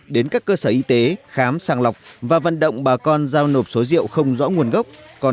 đến các cơ sở y tế khám sàng lọc và vận động bà con giao nộp số rượu không rõ nguồn gốc